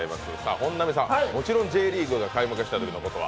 本並さん、もちろんＪリーグが開幕したときのことは？